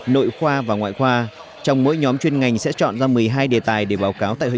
nội khoa và ngoại khoa trong mỗi nhóm chuyên ngành sẽ chọn ra một mươi hai đề tài để báo cáo tại hội